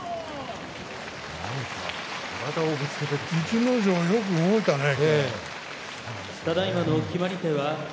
逸ノ城よく動いたね。